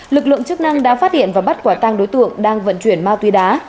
lực lượng chức năng đã phát hiện và bắt quả tăng đối tượng đang vận chuyển ma tùy đá